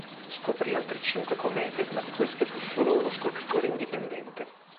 Scoprì altre cinque comete ma di queste fu solo uno scopritore indipendente.